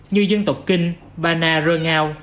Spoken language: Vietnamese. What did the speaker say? như dân tộc kinh bana rơ ngao